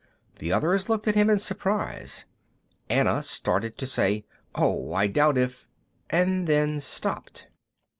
The others looked at him in surprise. Anna started to say, "Oh, I doubt if " and then stopped.